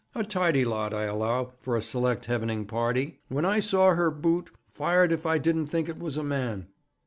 'A tidy lot, I allow, for a select hevening party. When I saw her boot, fired if I didn't think it was a man.'